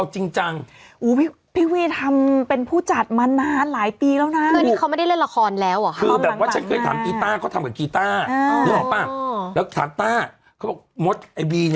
จริงเป็นใครเอาไปดูกันครับ